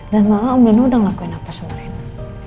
dan malah om nino udah ngelakuin apa sama reina